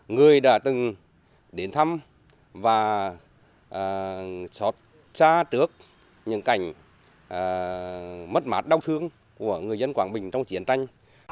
người đã từng đến thăm và xót xa trước những cảnh mất mát đau thương của người dân quảng bình trong chiến tranh